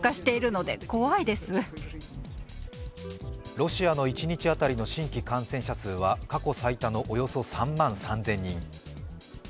ロシアの一日当たりの新規感染者数は過去最多のおよそ３万３０００人。